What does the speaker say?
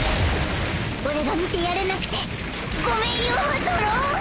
［俺が見てやれなくてごめんよゾロ！］